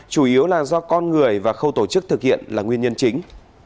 chủ yếu là do con người và khâu tổ chức thực hiện là nguyên nhân chính